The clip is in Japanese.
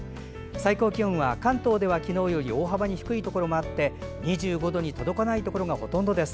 最高気温は昨日より大幅に低いところがあって２５度に届かないところがほとんどです。